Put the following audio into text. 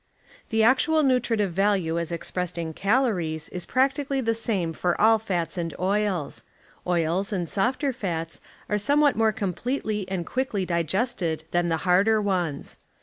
The actual nutritive value as ex})ressed in calories is prac tically the same for all fats and oils. Oils and softer fats are somewhat more completely and quickly digested than the harder ones.